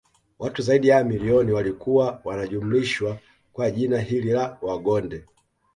watu zaidi ya milioni walikuwa wanajumlishwa kwa jina hili la Wagonde